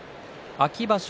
秋場所